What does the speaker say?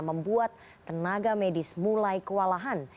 membuat tenaga medis mulai kewalahan